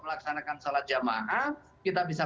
melaksanakan sholat jamaah kita bisa